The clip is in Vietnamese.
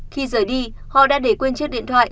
khi rời đi họ đã để quên chiếc điện thoại